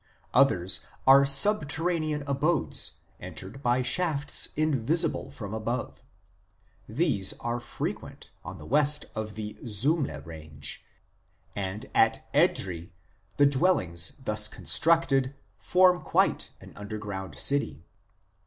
Others are subterranean abodes entered by shafts invisible from above ; these are frequent on the W. of the Zumleh range, and at Edrei the dwellings thus constructed form quite an underground city."